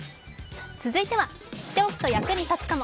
続いては、知っておくと役に立つかも。